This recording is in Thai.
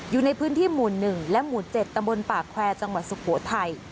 อยู่ในพื้นที่หมู่๑และหมู่๗ตำบลป่าแควร์จังหวัดสุโขทัย